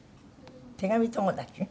手紙友達？